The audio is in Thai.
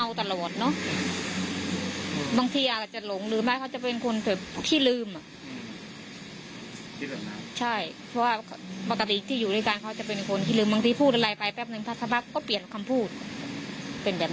อ่าฟังอีกมุมหนึ่งทีเนี้ยครับ